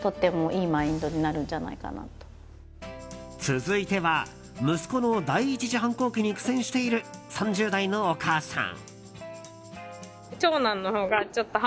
続いては息子の第１次反抗期に苦戦している３０代のお母さん。